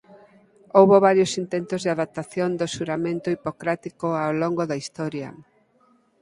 Houbo varios intentos de adaptación do xuramento hipocrático ao longo da historia.